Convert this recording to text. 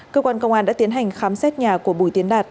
cơ quan công an đã tiến hành khám xét nhà của bùi tiến đạt